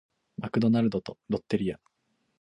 マクドナルドとロッテリア